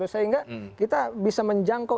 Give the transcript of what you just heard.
sehingga kita bisa menjangkau